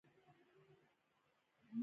د بررسۍ ډولونه په لاندې ډول دي.